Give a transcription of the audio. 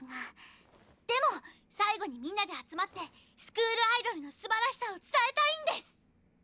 でも最後にみんなで集まってスクールアイドルのすばらしさを伝えたいんです！